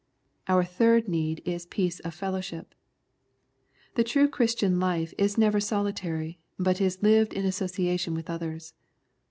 Our third need is peace of fellowship. The true Christian life is never solitary, but is lived in association with others.